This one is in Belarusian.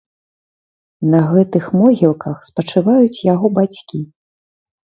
На гэтых могілках спачываюць яго бацькі.